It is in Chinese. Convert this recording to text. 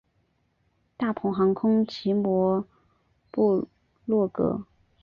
大鹏航空奇摩部落格